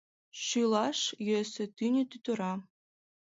Шӱлаш йӧсӧ, тӱнӧ тӱтыра.